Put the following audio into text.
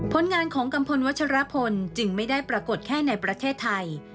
ผลงานของกัมพลวัชรพลจึงไม่ได้ปรากฏแค่ในประเทศไทย